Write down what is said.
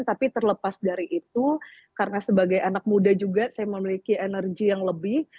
tapi terlepas dari itu karena sebagai anak muda juga saya memiliki energi yang lebih